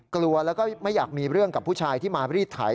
กลัวแล้วก็ไม่อยากมีเรื่องกับผู้ชายที่มารีดไถ